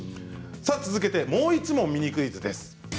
続けてもう１問ミニクイズです。